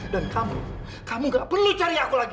dan kamu kamu gak perlu cari aku lagi